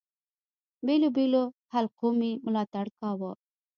بېلو بېلو حلقو مي ملاتړ کاوه.